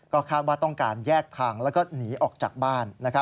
ก็คาดว่าต้องการแยกทางแล้วก็หนีออกจากบ้าน